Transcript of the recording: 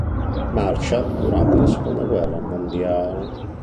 Marshall" durante la seconda guerra mondiale.